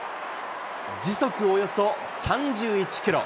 時速およそ３１キロ。